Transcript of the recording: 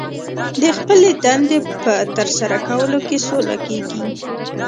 د خپلې دندې په ترسره کولو کې سوکه کېږي